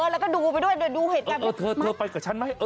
แล้วก็ดูไปด้วยหน่อยเอ้อน่ะเธอไปกับฉันไหม